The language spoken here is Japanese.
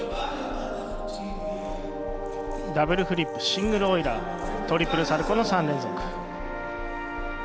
ダブルフリップシングルオイラートリプルサルコーの３連続。